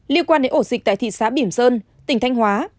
liên quan đến ổ dịch tại thị xã bỉm sơn tỉnh thanh hóa